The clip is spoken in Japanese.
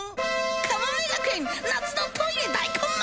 かもめ学園夏のトイレ大根祭！